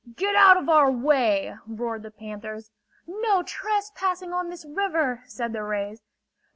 "Get out of our way!" roared the panthers. "No trespassing on this river!" said the rays.